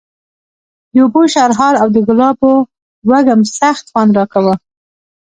د اوبو شرهار او د ګلابو وږم سخت خوند راکاوه.